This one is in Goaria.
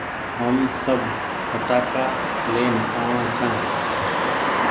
هم سب ڦٽآ ڪآ لين آ وآن ڇآن